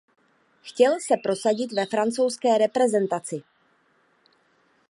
Chtěl se prosadit ve francouzské reprezentaci.